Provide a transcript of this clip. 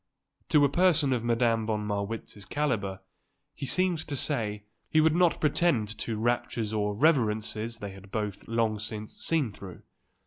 To a person of Madame von Marwitz's calibre, he seemed to say, he would not pretend to raptures or reverences they had both long since seen through.